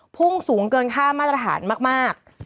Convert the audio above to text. พุ่งสูงเกินค่ามาตรฐานมาก